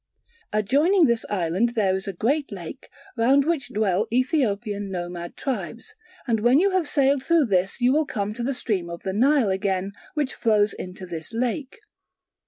Adjoining this island there is a great lake, round which dwell Ethiopian nomad tribes; and when you have sailed through this you will come to the stream of the Nile again, which flows into this lake.